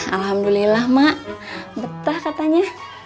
alhamdulillah ma betah katanya